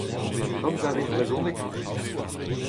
Komz a rit brezhoneg ?